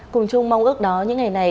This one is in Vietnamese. cùng chung mong ước đó những ngày này